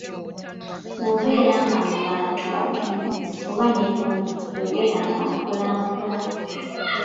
Bw’obeera nga mu bantu abatono oba ne munno yogereranga mpolampola.